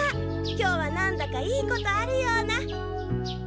今日は何だかいいことあるような。